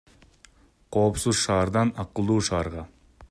Коопсуз шаардан акылдуу шаарга